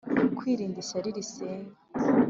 kwirinda ishyari risenya.